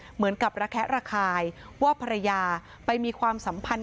เหมือนกับระแคะระคายว่าภรรยาไปมีความสัมพันธ์